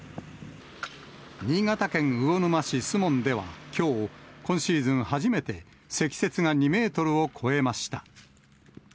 新潟県魚沼市守門では、きょう、今シーズン初めて、積雪が２メートルを超えました。